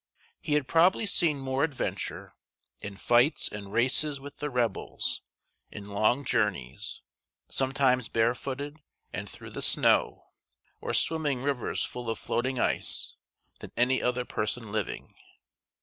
He had probably seen more adventure in fights and races with the Rebels, in long journeys, sometimes bare footed and through the snow, or swimming rivers full of floating ice than any other person living.